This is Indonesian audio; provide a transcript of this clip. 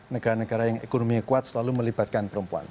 negara negara yang ekonominya kuat selalu melibatkan perempuan